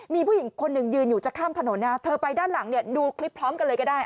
มีผู้หญิงคนหนึ่งยืนอยู่จะข้ามถนนนะฮะเธอไปด้านหลังเนี่ยดูคลิปพร้อมกันเลยก็ได้